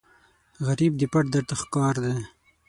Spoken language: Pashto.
غریب د پټ درد ښکار دی